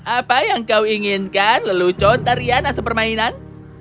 apa yang kau inginkan lelucon tariana sepermainan